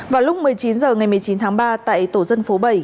vào lúc một mươi chín h ngày một mươi chín tháng ba tại tổ dân phố bảy